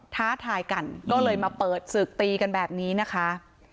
ท้าทายกันก็เลยมาเปิดศึกตีกันแบบนี้นะคะ